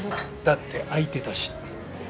だって空いてたし。